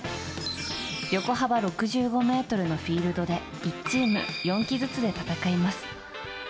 横幅６５ｍのフィールドで１チーム４騎ずつで戦います。